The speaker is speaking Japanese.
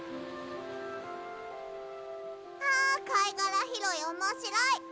あかいがらひろいおもしろい。